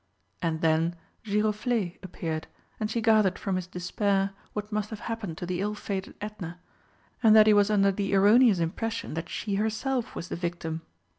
And then Giroflé appeared, and she gathered from his despair what must have happened to the ill fated Edna, and that he was under the erroneous impression that she herself was the victim.